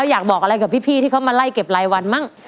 อยากบอกอะไรกับพี่ที่เขามาไล่เก็บรายวันมั้ง